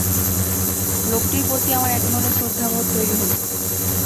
লোকটির প্রতি আমার একধরনের শ্রদ্ধাবোধ তৈরি হল।